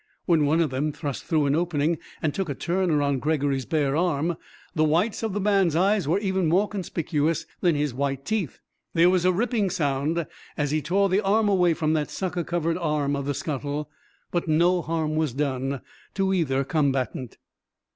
When one of them thrust through an opening and took a turn around Gregory's bare arm, the whites of the man's eyes were even more conspicuous than his white teeth. There was a ripping sound as he tore the arm away from that sucker covered arm of the scuttle, but no harm was done to either combatant.